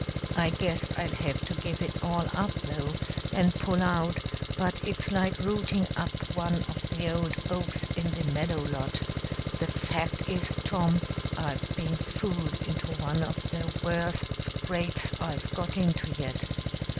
I guess I'll have to give it all up, though, and pull out, but it's like rooting up one of the old oaks in the meadow lot. The fact is, Tom, I've been fooled into one of the worst scrapes I've got into yet."